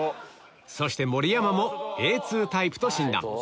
そして盛山もＡ２タイプと診断